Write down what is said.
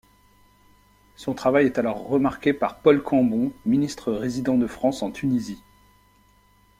Son travail est alors remarqué par Paul Cambon, ministre résident de France en Tunisie.